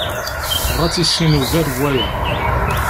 Tebɣa ad t-tissin ugar n waya.